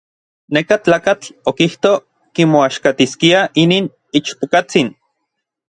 Neka tlakatl okijto kimoaxkatiskia inin ichpokatsin.